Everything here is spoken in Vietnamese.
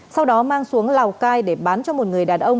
sau đó mang xuống lào cai để bán cho một người đàn ông